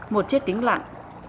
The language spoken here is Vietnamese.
một chiếc kính lặn